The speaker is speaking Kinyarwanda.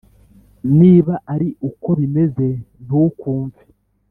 Niba ari uko bimeze ntukumve